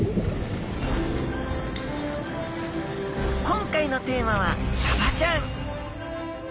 今回のテーマはサバちゃん！